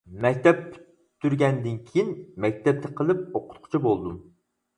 مەكتەپ پۈتتۈرگەندىن كىيىن مەكتەپتە قىلىپ ئوقۇتقۇچى بولدۇم.